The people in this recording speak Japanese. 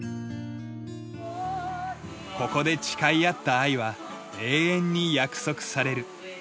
ここで誓い合った愛は永遠に約束される。